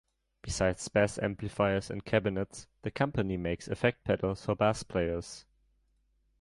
Besides bass amplifiers and cabinets, the company makes effect pedals for bass players.